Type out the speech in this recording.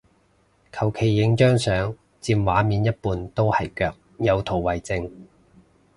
求其影張相佔畫面一半都係腳，有圖為證